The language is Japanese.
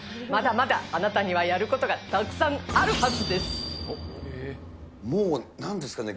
まだまだあなたにはやることがたくさんあるはずです。